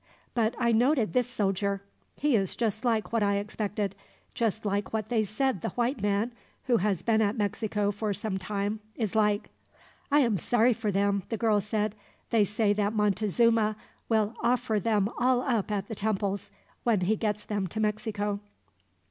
"But I noted this soldier. He is just like what I expected just like what they said the white man, who has been at Mexico for some time, is like." "I am sorry for them," the girl said. "They say that Montezuma will offer them all up at the temples, when he gets them to Mexico."